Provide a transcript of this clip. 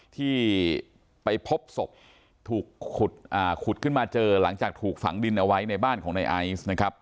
ที่ไปพบศพถูกขุดขึ้นมาเจอหลังจากถูกฝังดินเอาไว้ในบ้านของในไอซ์นะครับ